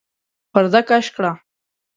پرده کش کړه!